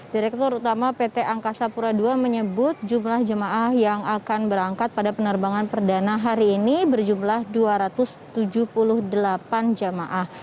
direktur utama pt angkasa pura ii menyebut jumlah jemaah yang akan berangkat pada penerbangan perdana hari ini berjumlah dua ratus tujuh puluh delapan jemaah